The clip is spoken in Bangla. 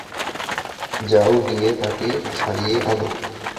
যাও, গিয়ে তাকে ছাড়িয়ে আনো।